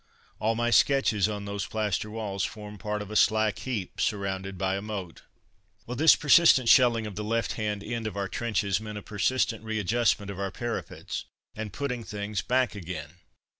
All my sketches on those plaster walls form part of a slack heap, surrounded by a moat. Well, this persistent shelling of the left hand end of our trenches meant a persistent readjustment of our parapets, and putting things back again.